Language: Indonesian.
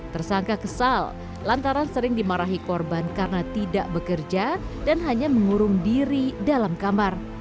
tersangka kesal lantaran sering dimarahi korban karena tidak bekerja dan hanya mengurung diri dalam kamar